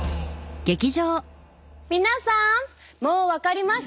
皆さんもう分かりましたか？